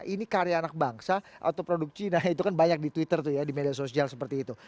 ini karya anak bangsa atau produk cina itu kan banyak di twitter tuh ya di media sosial seperti itu